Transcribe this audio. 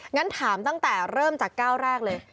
งั้นถามตั้งแต่เริ่มจากก้าวแรกเลย